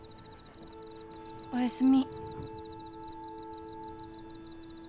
おやすみ。